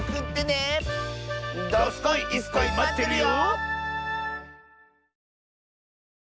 どすこいいすこいまってるよ！